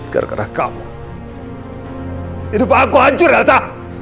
karena kamu hidup aku hancur elsa